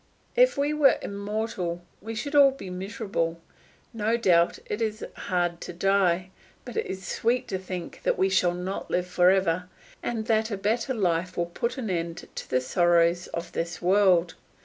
If we were immortal we should all be miserable; no doubt it is hard to die, but it is sweet to think that we shall not live for ever, and that a better life will put an end to the sorrows of this world.